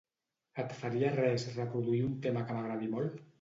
Et faria res reproduir un tema que m'agradi molt?